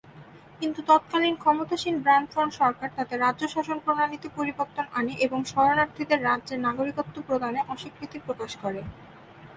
কিন্তু তৎকালীন ক্ষমতাসীন বামফ্রন্ট সরকার তাদের রাজ্য-শাসনপ্রণালীতে পরিবর্তন আনে এবং শরণার্থীদের রাজ্যের নাগরিকত্ব প্রদানে অস্বীকৃতি প্রকাশ করে।